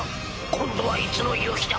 今度はいつの夕日だ？